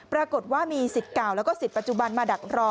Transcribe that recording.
ปรากฏว่ามีสิทธิ์เก่าแล้วก็สิทธิปัจจุบันมาดักรอ